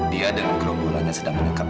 dia dan microphone annya sedang menangkap